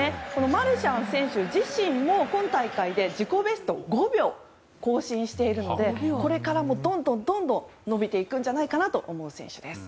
マルシャン選手自身も今大会で自己ベストを５秒更新しているのでこれからもどんどん伸びていくんじゃないかと思う選手です。